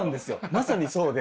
まさにそうで。